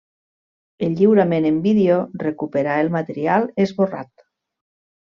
El lliurament en vídeo recuperà el material esborrat.